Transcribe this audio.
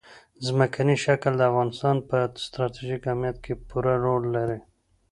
ځمکنی شکل د افغانستان په ستراتیژیک اهمیت کې پوره رول لري.